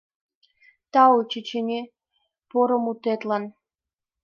Тау, чӱчӱньӧ, поро мутетлан.